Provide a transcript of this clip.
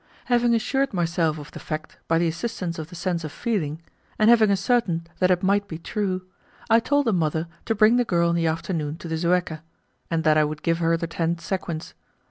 Having assured myself of the fact by the assistance of the sense of feeling, and having ascertained that it might be true, I told the mother to bring the girl in the afternoon to the Zuecca, and that I would give her the ten sequins.